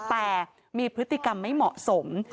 แต่มีพฤติกรรมไม่เหมาะสม